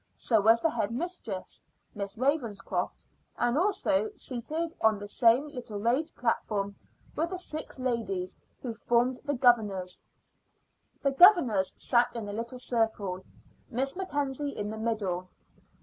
So was the head mistress, Miss Ravenscroft; and also, seated on the same little raised platform, were the six ladies who formed the governors. The governors sat in a little circle, Miss Mackenzie in the middle.